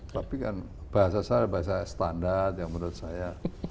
tapi kan bahasa saya bahasa standar yang menurut saya